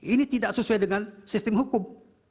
ini tidak sesuai dengan sistem hukum